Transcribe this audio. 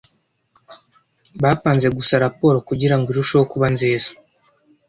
Bapanze gusa raporo kugirango irusheho kuba nziza.